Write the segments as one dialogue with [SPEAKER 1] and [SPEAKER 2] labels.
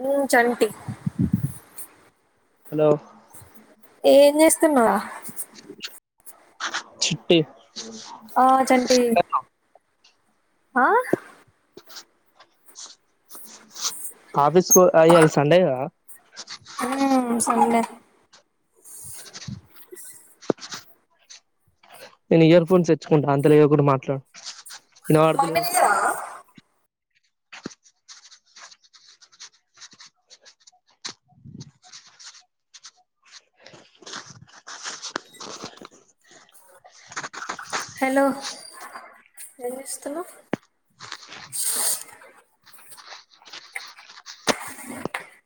[SPEAKER 1] న చంటి
[SPEAKER 2] హలో
[SPEAKER 1] ఏం చేస్తా మా
[SPEAKER 2] చిట్ట్టే
[SPEAKER 1] ఆ చెంటి హ
[SPEAKER 2] ఆ ఆఫీస్ కు ఇయ్యాల సండేగా
[SPEAKER 1] ఉమ్ సండే
[SPEAKER 2] నేను ఇయర్ ఫోన్స్ తెచ్చుకుంటాను అంతలో ఏదొ ఒకటి మాట్లాడు
[SPEAKER 1] మమ్మీ
[SPEAKER 2] వినపడతలేదు
[SPEAKER 1] దగరా హలో ఏం చేస్తున్నావ్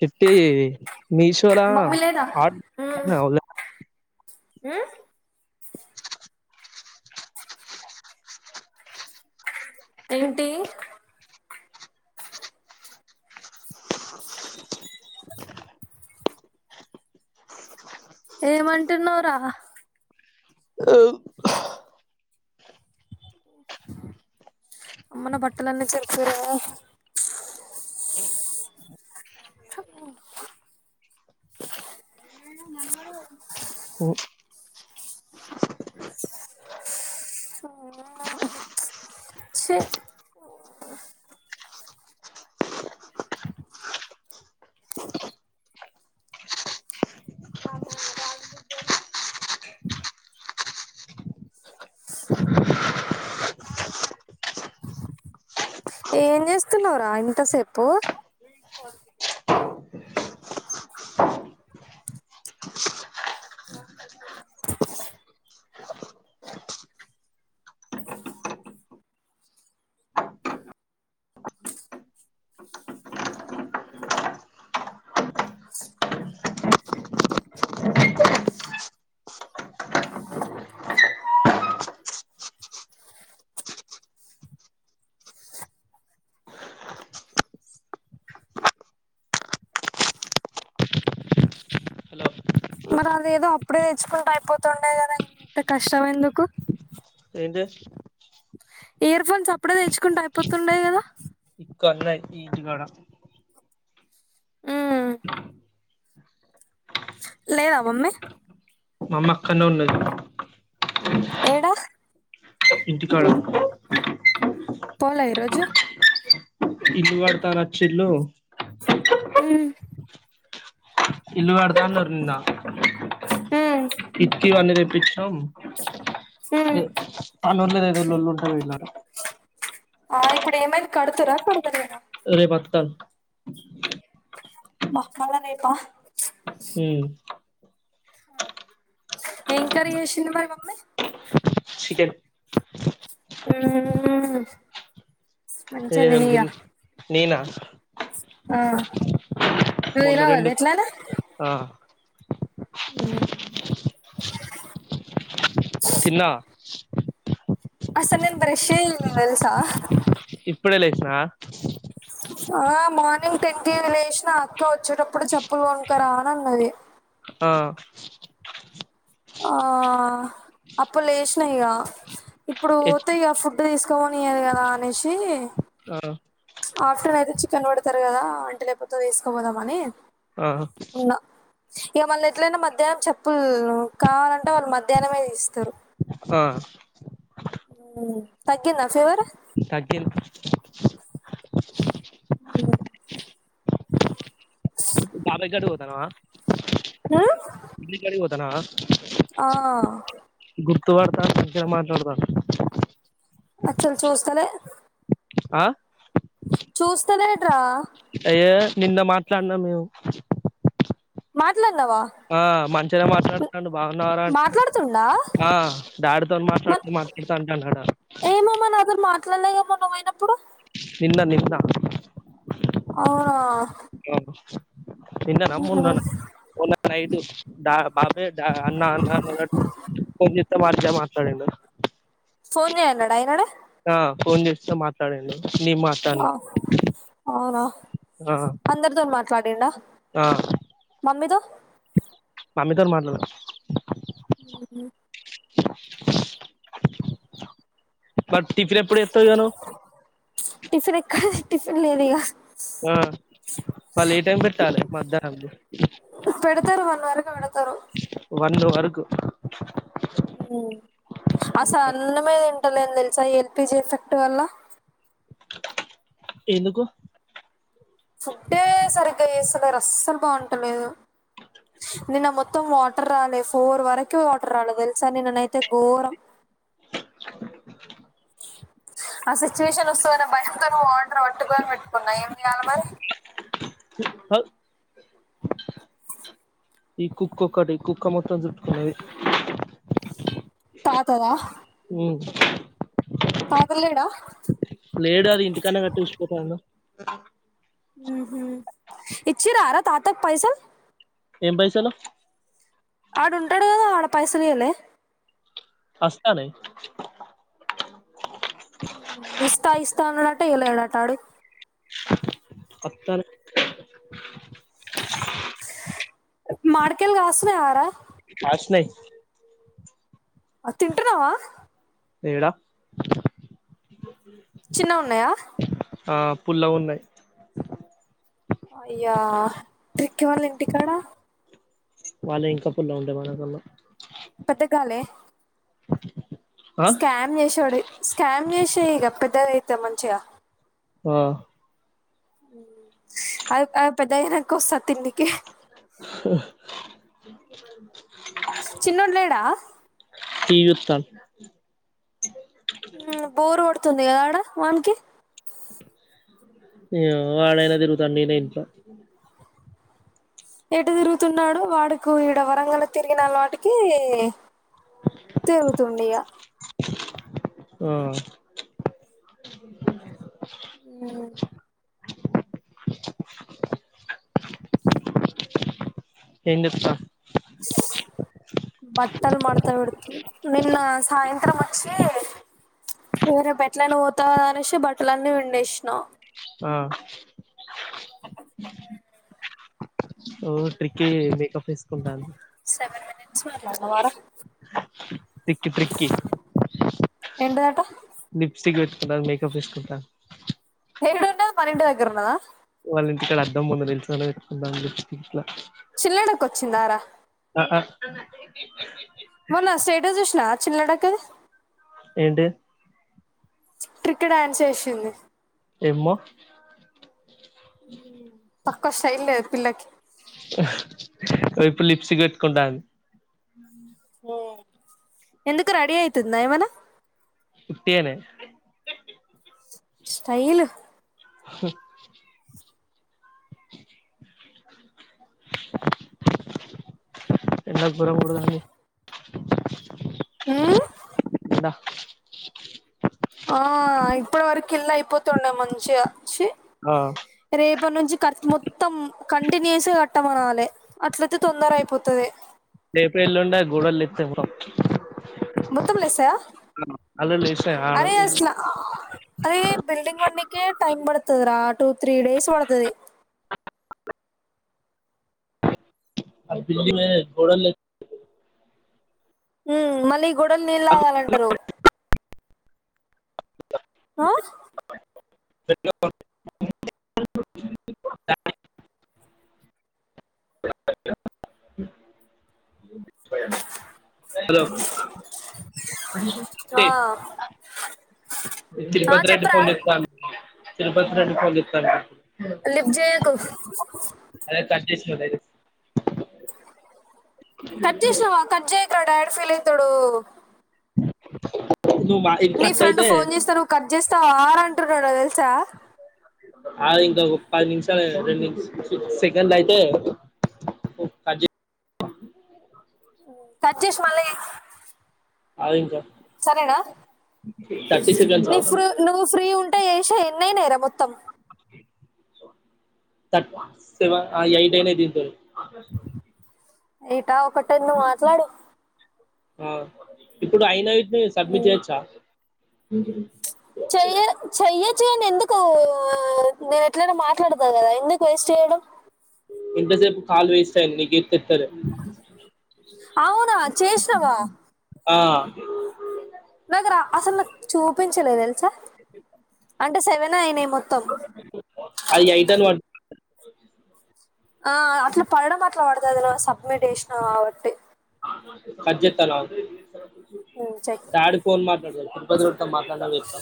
[SPEAKER 2] ఫిఫ్టీ మీషోలా
[SPEAKER 1] మమ్మీ లేదా
[SPEAKER 2] ఆర్డర్
[SPEAKER 1] ఉమ్
[SPEAKER 2] పెట్టుకున్నావా లే
[SPEAKER 1] ఉమ్ ఏంటి ఏమంటన్నావరా అమ్మనే బట్టలన్న చెరుకు తు హ్మ్ చి ఏం చేస్తున్నవరా ఇంతసేపు
[SPEAKER 2] హలో
[SPEAKER 1] మరి అది ఏదో అప్పుడే తెచ్చుకుంటె అయిపోతుండే కదా ఇంత కష్టం ఎందుకు
[SPEAKER 2] ఏజె
[SPEAKER 1] ఇయర్ ఫోన్స్ అప్పుడే తెచ్చుకుంటె అయిపోతుండే కదా
[SPEAKER 2] [unintelligible] ఈదికాడం
[SPEAKER 1] హ్మ్ లేద మమ్మీ
[SPEAKER 2] మమ్మ కన్నె ఉన్నది
[SPEAKER 1] ఏడా
[SPEAKER 2] ఇంటి కాడ
[SPEAKER 1] పోలే ఈరోజు
[SPEAKER 2] ఇల్లు కడతారాచిల్లు
[SPEAKER 1] ఉమ్
[SPEAKER 2] ఇల్లు కాస్తున్నారు నా
[SPEAKER 1] ఉమ్
[SPEAKER 2] ఇకి బన్నద ఇచ్చం ఏ పల్లెల్లో ఏదో ఒక లొల్లి ఉంటది ఇలాగ
[SPEAKER 1] ఆ ఇప్పుడు ఏమైంది కడుతుర కస్తలేదా
[SPEAKER 2] రే పాక్తన్
[SPEAKER 1] బక్కదనేేపా ఏంకరీ చేసింది మరి మమ్మీ
[SPEAKER 2] శీత
[SPEAKER 1] ఆ మంచి వినిగా
[SPEAKER 2] నేనా
[SPEAKER 1] ఆ
[SPEAKER 2] మొన్న
[SPEAKER 1] రరావద
[SPEAKER 2] రెండు
[SPEAKER 1] ఎట్లానే
[SPEAKER 2] ఆ
[SPEAKER 1] అ
[SPEAKER 2] తన్నా
[SPEAKER 1] అస నేన్ బరిషే ఇల్ తెల్సా
[SPEAKER 2] ఇప్పుడెలసా
[SPEAKER 1] ఆ మార్నింగ్ టెన్ టీ లేచిన నా అక్క వచ్చేటప్పుడు చెప్పులు కొనుకరా అని అన్నది
[SPEAKER 2] ఆ
[SPEAKER 1] ఆ అప్పు లేచనయిక ఇప్పుడు
[SPEAKER 2] ఎచ్
[SPEAKER 1] పోతాయి ఫు తీసుకోనియ్యదు కదా అనేసి
[SPEAKER 2] ఆ
[SPEAKER 1] ఆఫ్టర్నన్ అయితే చికెన్ పడతారు కదా అంటే లేకపోతే వేసుకోపోదామని
[SPEAKER 2] ఆ
[SPEAKER 1] ఇక మళ్ళీ ఎట్లైనా మధ్యాహ్నం చెప్పులు కావాలంటే వాళ్ళు మధ్యాహ్నమే ఇస్తారు
[SPEAKER 2] స
[SPEAKER 1] తకేంద ఫివర
[SPEAKER 2] తకిల్
[SPEAKER 1] అ
[SPEAKER 2] బాబా్ గడ్డు పోతానువా
[SPEAKER 1] ఆ
[SPEAKER 2] దనా
[SPEAKER 1] ఆ
[SPEAKER 2] తడతాను మాట్లాడతాను
[SPEAKER 1] అ చలు చూస్తలే
[SPEAKER 2] ఆ
[SPEAKER 1] చూస్తన్నాడ్రా
[SPEAKER 2] అయ్యే నిన్న మాట్లాడినా మేము
[SPEAKER 1] మాట్లాడు
[SPEAKER 2] ఆ మంచిగానే మాట్లాడుతాడు బాగున్నారాంట
[SPEAKER 1] మాట్లాడుతుండా
[SPEAKER 2] ఆ డాడితో
[SPEAKER 1] మరి
[SPEAKER 2] మాట్లాడుతూ మాట్లాడుతాంటడా
[SPEAKER 1] అట్లలేగా మన అయినప్పుడు
[SPEAKER 2] నిన్న నిన్న
[SPEAKER 1] అవునా
[SPEAKER 2] ఏ నిన్నా బాబ అన్నా అన్న కొ మతే మ సడేంద
[SPEAKER 1] ఫోన్య ఎన్నడా ఈయనాడ
[SPEAKER 2] ఆ ఫోన్ చేస్తా మాట్లాడండి
[SPEAKER 1] అవునా
[SPEAKER 2] ఆ
[SPEAKER 1] అందరితో మాట్లాడండా
[SPEAKER 2] ఆ
[SPEAKER 1] మమ్మీతో
[SPEAKER 2] మామితారు మాట్లాద
[SPEAKER 1] అ
[SPEAKER 2] బట్ టిఫిన్ ఎప్పుడు ఎత్త ఇగ నువ్
[SPEAKER 1] టిఫిన్ ఎక్కడ టిఫిన్ లేదిగ
[SPEAKER 2] ఆ వాళ్ ఏ టైం బెట్టాలె మధ్యాహ్నంది
[SPEAKER 1] పెడతారు వన్ వరకు పెడతారు
[SPEAKER 2] వన్ అవర్ కు
[SPEAKER 1] అస్స అన్నమే తింటలేను దెల్సా ఈ ఎల్పిజీ ఎఫెక్ట్ వల్ల
[SPEAKER 2] ఎందుకు
[SPEAKER 1] ఫుడ్డే సరిగ్గా ఏస్తలేరు అస్సలు బాగుంటలేదు, నిన్న మొత్తం వాటర్ డ్రాలేదు ఫోర్ వరకు వాట్రర్ డ్రాలే తెలుసా నిన్ననైతే ఘోరం. ఆ సిచువేషన్ ఒస్తదన్న భయంతోని వాటర్ వట్టుకొని వెట్టుకున్నా ఏం జేయాలి మరి
[SPEAKER 2] హౌ ఈ కుక్కొకటి కుక్క మొత్తం జుట్టుకున్నది
[SPEAKER 1] తాతద తాత లేడా
[SPEAKER 2] లేడు అది ఇంటికన్నే గట్టేషి పోతాన్న
[SPEAKER 1] ఉహు ఇచ్చిరార తాతక్ పైసల్
[SPEAKER 2] ఏం పైసలు
[SPEAKER 1] ఆడుంటడు గదా ఆడ పైసలియలే
[SPEAKER 2] వస్తనయ్
[SPEAKER 1] ఇస్తా ఇస్ త్తనడట ఇయ్యలేడట ఆడు
[SPEAKER 2] పత్తాలు
[SPEAKER 1] మాడికాయలు గాస్తున్నాయార
[SPEAKER 2] కాష్ణయ్
[SPEAKER 1] అ తింట్రున్నవా
[SPEAKER 2] ఏడా
[SPEAKER 1] చిన్న గున్నయా
[SPEAKER 2] ఆ పుల్లగున్నయ్
[SPEAKER 1] అయ్యా ట్రిక్కీ వాళ్ళ ఇంటికాడ
[SPEAKER 2] వాళ్ళ ఇంకా పుల్లగుంటాయ్ మనకన్న
[SPEAKER 1] పెద్ద గాలే
[SPEAKER 2] ఆ
[SPEAKER 1] స్కామ్ జెశ్వడయ్ స్కామ్ జేసేయ్ ఇగ పెద్దది తె మంచిగా
[SPEAKER 2] ఆ
[SPEAKER 1] ఊమ్ అ అ పెద్దగయినకోస్తా తిన్నికి చిన్నోడు లేడా
[SPEAKER 2] టీవీ చుత్తండు
[SPEAKER 1] తుంది కదా ఆడ వానికి
[SPEAKER 2] ఇవ్ వాడయినా తిరుగుతాండు నేనే ఇంట్లో
[SPEAKER 1] ఎటు తిరుగుతున్నాడో వాడుకు ఇడ వరంగల్ తిరిగిన వాటికి తిరుగుతుండు ఇగ
[SPEAKER 2] ఆ
[SPEAKER 1] ఉ
[SPEAKER 2] ఏడిస్త
[SPEAKER 1] బట్టలు మతా విడతుది నిన్న సాయంత్రం వచ్చి వేరే పెట్లనే పోతాా అనేసి బట్టల అన్నీ వండేసా
[SPEAKER 2] ఆ ఓ ట్ర మేకప్ తీసుకుంటాను
[SPEAKER 1] వ వ
[SPEAKER 2] తటిక్కి త్రిక్కి
[SPEAKER 1] ఏంటిదట
[SPEAKER 2] లిప్స్టిక్ వచ్చ మేకప్ తీసుకుత
[SPEAKER 1] హడున్న మనంటి దగరనా
[SPEAKER 2] వాళ్ళ ఇంటి ఇక్కడ అర్థం పంద తెలుస పెట్టుకుందాంనిప్ి
[SPEAKER 1] చిల్లడ కొ చిింగారా
[SPEAKER 2] ఆ ఆ
[SPEAKER 1] చిన్నడకి
[SPEAKER 2] ఏడు
[SPEAKER 1] ట్రక్ డా్యాన్స్ చేసిింది
[SPEAKER 2] ఏమ
[SPEAKER 1] తక్కవైల్ పిలకి
[SPEAKER 2] ఇపు లిప్సిక్ పెట్టుకుంటా
[SPEAKER 1] ఎందుకు రెడీ అయితుది నయమన
[SPEAKER 2] కుట్టేనే
[SPEAKER 1] స్టైల్
[SPEAKER 2] ఎలా గురంపడుదాడి
[SPEAKER 1] ఆ ఆ ఇప్పటి వరకు ఇల్ళ అయిపోతుండే మంచిగా
[SPEAKER 2] ఆ
[SPEAKER 1] రేపు ఇప్పటి నుంచి క మొత్తం కంటిన్యూస్ కట్టమనాలి అట్లయితే తొందర అయిపోతుది
[SPEAKER 2] ేపుడు ఎల్లుం గూడళ్ళ ఇస్తా
[SPEAKER 1] మత్తలిస
[SPEAKER 2] అల్లులు లేసినాయి ఆడ
[SPEAKER 1] అరే అలా అరే బల్డింగ్ వన్నక టైమ్ బడుతుందిరా టు త్రీ డేస్ పడతది
[SPEAKER 2] [unintelligible] [inaudible]
[SPEAKER 1] ఉమ్ మళ్లీ గోడల్ నీళ్ లాగాలంటారు ఆహ్
[SPEAKER 2] [inaudible] [unintelligible] [inaudible] [unintelligible] హలో ఏ
[SPEAKER 1] ఆ ఆ
[SPEAKER 2] తిరుపతి రెడ్డి
[SPEAKER 1] చెప్పరా
[SPEAKER 2] ఫోన్ చేత్త తిరుపతి రెడ్డి పోన్ చేత్తాండిప్పుడు
[SPEAKER 1] లిఫ్ట్ జేయకు
[SPEAKER 2] అదే కట్ చేసిన డైరెక్ట్
[SPEAKER 1] కడ్జేష్నవ కడ్జే మా డాడ్ ఫీల్అయితడు
[SPEAKER 2] [unintelligible] నువ్ మా ఇన్షట్టైతే
[SPEAKER 1] సార్ అంటున్నాడో తెల్సా
[SPEAKER 2] ఆగింక ఒక పది నిమిషాలు రెండు నిమిష్ సు సెకండ్లైతే ఒ కడ్జెయ్
[SPEAKER 1] కడ్జేసి మల్ల జెయ్
[SPEAKER 2] అదింక
[SPEAKER 1] సరేనా
[SPEAKER 2] సెకండ్స్
[SPEAKER 1] నివ్
[SPEAKER 2] ఆగు
[SPEAKER 1] ఫ్రీ నువ్వు ఫ్రీ ఉం ట్ట చేశావ్ ఎన్నైనార మొత్తం
[SPEAKER 2] తట్ సెవన్ అ ఎయిట్ అయినాయ్ దీన్తోని
[SPEAKER 1] ఏట్ టా ఒక టెన్ మాట్లాడు
[SPEAKER 2] ఆ ఇప్పుడు అయినాయ్ ఇప్పుడే సబ్మిట్ చేయచ్చా [unintelligible]
[SPEAKER 1] చెయ్య చెయ్యొచ్చు కానెందుకూ నేనెట్లైనా మాట్లాడతా కదా ఎందుకు వేస్ట్ చేయడం
[SPEAKER 2] ఇంత సేపు కాల్ వేష్టైంది నీకేమ్
[SPEAKER 1] ఔనా చేష్నవా
[SPEAKER 2] ఆ
[SPEAKER 1] నాకు రా అసలు నాక్ చూపించలే తెల్సా అంటే సెవెనే అయినాయ్ మొత్తం
[SPEAKER 2] అది ఎయిట్ అని పడ్
[SPEAKER 1] ఆ అట్ల పడటం అప్ ఎట్లబడితే అదిల సబ్మిట్ చేసినవ్ కావట్టి
[SPEAKER 2] కడ్జేత్తాన్ ఆగు
[SPEAKER 1] చెయ్
[SPEAKER 2] దాడ్ ఫోన్ మాట్లాడతారు తో మాట్లాడిన అని చెప్ప్తా